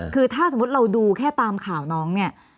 คือถ้าสมมุติเราดูแค่ตามข่าวน้องเนี่ย